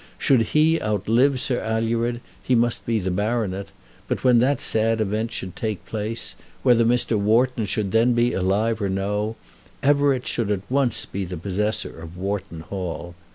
Should he outlive Sir Alured he must be the baronet; but when that sad event should take place, whether Mr. Wharton should then be alive or no, Everett should at once be the possessor of Wharton Hall.